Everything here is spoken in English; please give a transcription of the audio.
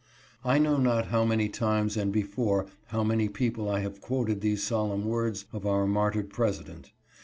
I know not how many times and before how many peo ple I have quoted these solemn words of our martyred President.